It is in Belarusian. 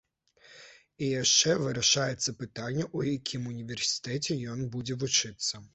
І яшчэ вырашаецца пытанне, у якім універсітэце ён будзе вучыцца.